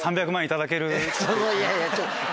いやいや。